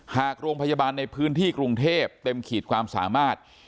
หากโรงพยาบาลในพื้นที่กรุงเทพเต็มขีดความสามารถ